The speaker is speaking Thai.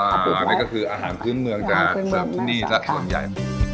อ่านี่ก็คืออาหารขึ้นเมืองจะสรรพนี่จะส่วนใหญ่